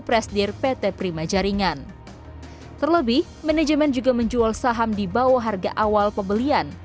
presidir pt prima jaringan terlebih manajemen juga menjual saham di bawah harga awal pembelian